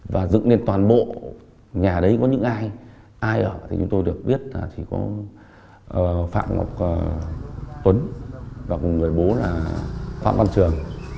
và dựng nên toàn bộ nhà đấy có những ai ai ở thì chúng tôi được biết là chỉ có phạm ngọc tuấn và một người bố là phạm văn trường